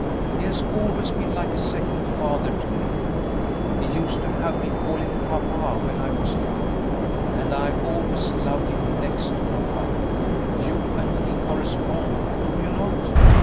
He has always been like a second father to me; he used to have me call him 'papa' when I was little, and I've always loved him next to papa. You and he correspond, do you not?"